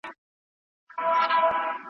اصلاح سئ.